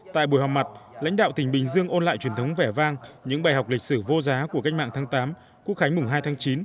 tại buổi họp mặt lãnh đạo tỉnh bình dương ôn lại truyền thống vẻ vang những bài học lịch sử vô giá của cách mạng tháng tám quốc khánh mùng hai tháng chín